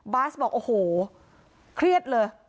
บาสบอกโอ้โหเครียดเลย